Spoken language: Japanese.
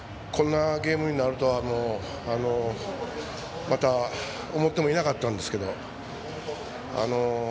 本当に今日はこんなゲームになるとはまた思ってもいなかったんですけど。